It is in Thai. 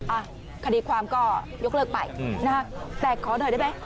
อ่ะคดีความก็ยกเลิกไปนะฮะแต่ขอหน่อยได้ไหม